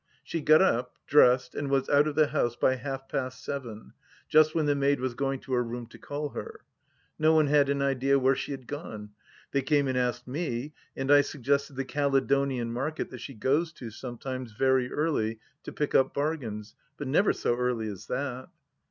She got up, dressed, and was out of the house by half past seven, just when the maid was going to her room to call her. No one had an idea where she had gone ; they came and asked me, and I suggested the Caledonian Market that she goes to sometimes very early to pick up bargains, but never so early as that.